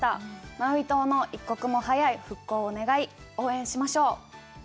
マウイ島の一刻も早い復興を願い、応援しましょう。